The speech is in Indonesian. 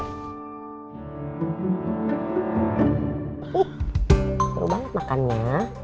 baru banget makannya